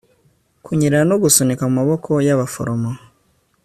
Kunyerera no gusunika mu maboko yabaforomo